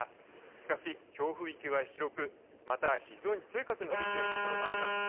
しかし、強風域は広く、また、非常に強い風の吹いている所もあります。